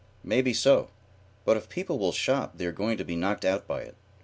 "Maybe so but if people will shop they are going to be knocked out by it.